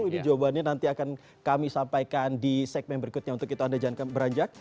ini jawabannya nanti akan kami sampaikan di segmen berikutnya untuk itu anda jangan beranjak